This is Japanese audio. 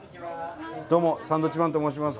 どうもサンドウィッチマンと申します。